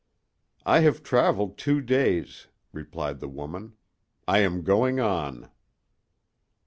"I have traveled two days," replied the woman. "I am going on."